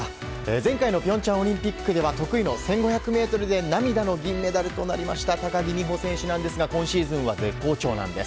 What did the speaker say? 前回の平昌オリンピックでは得意の１５００ｍで涙の銀メダルとなりました高木美帆選手なんですが今シーズンは絶好調なんです。